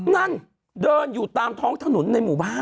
นั่นเดินต่างท้องธนุษย์อยู่ในหมู่บ้าน